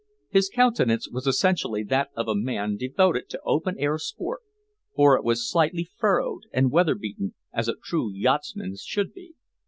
His countenance was essentially that of a man devoted to open air sport, for it was slightly furrowed and weather beaten as a true yachtsman's should be.